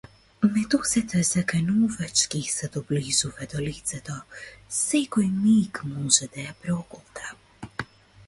Медузата заканувачки ѝ се доближува до лицето, секој миг може да ја проголта.